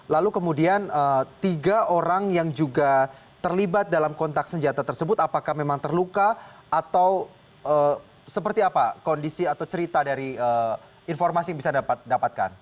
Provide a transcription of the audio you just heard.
lalu kemudian tiga orang yang juga terlibat dalam kontak senjata tersebut apakah memang terluka atau seperti apa kondisi atau cerita dari informasi yang bisa dapatkan